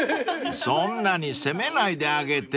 ［そんなに責めないであげて］